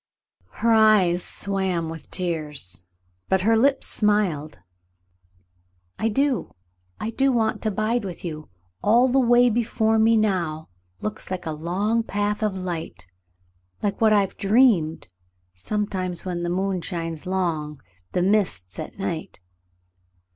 Her eyes swam with tears, but her lips smiled. "I do. I do want to bide with you. All the way before me now looks like a long path of light — like what I have dreamed sometimes when the moon shines long down the mists at night.